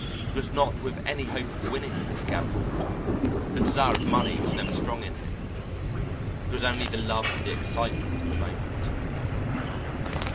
It was not with any hope of winning that he gambled the desire of money was never strong in him it was only the love of the excitement of the moment.